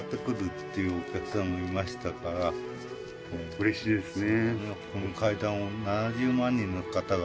うれしいですね。